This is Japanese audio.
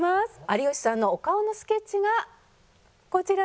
有吉さんのお顔のスケッチがこちらです。